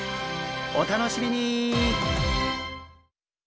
お楽しみに！